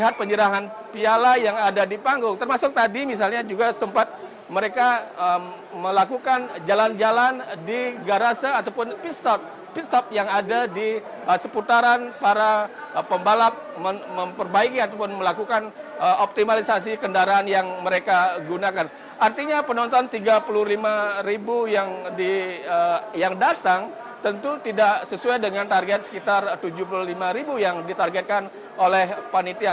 artinya penonton tiga puluh lima ribu yang datang tentu tidak sesuai dengan target sekitar tujuh puluh lima ribu yang ditargetkan oleh panitia